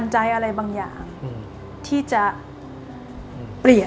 เราควรจะรักษาที่ไหน